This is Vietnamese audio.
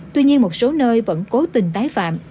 tuy nhiên một số nơi vẫn cố tình tái phạm